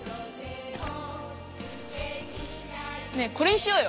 ねえこれにしようよ。